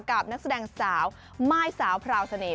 นักแสดงสาวม่ายสาวพราวเสน่ห